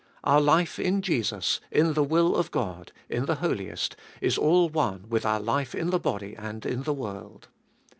Our life in Jesus, in the will of God, in the Holiest, is all one with our life in the body and in the world.